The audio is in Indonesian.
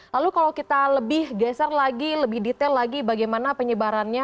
lalu kalau kita lebih geser lagi lebih detail lagi bagaimana penyebarannya